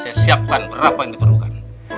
saya siapkan berapa yang diperlukan